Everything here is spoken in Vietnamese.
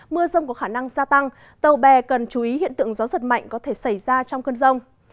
mưa rông có khả năng gia tăng tàu bè cần chú ý hiện tượng gió giật mạnh có thể xảy ra trong cơn rông